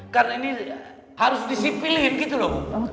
karena ini harus disipilin gitu loh bu